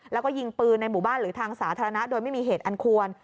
แล้วก็ยิงปืนในหมู่บ้านหรือทางสาธารณะโดยไม่มีเหตุอันควร